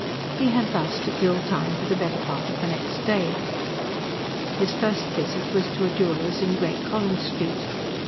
He had thus to kill time for the better part of the next day. His first visit was to a jeweller's in Great Collins Street.